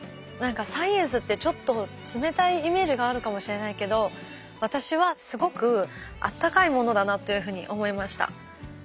何かサイエンスってちょっと冷たいイメージがあるかもしれないけど私はすごくあったかいものだなというふうに思いました。